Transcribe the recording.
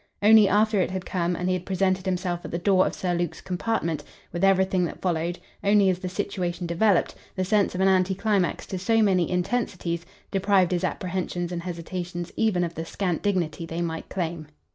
Only, after it had come and he had presented himself at the door of Sir Luke's compartment with everything that followed only, as the situation developed, the sense of an anti climax to so many intensities deprived his apprehensions and hesitations even of the scant dignity they might claim.